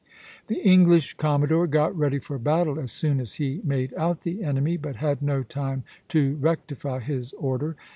] The English commodore got ready for battle as soon as he made out the enemy, but had no time to rectify his order.